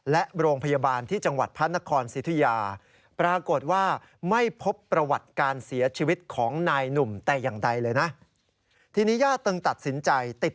และโรงพยาบาลที่จังหวัดพระนครสิทธุยา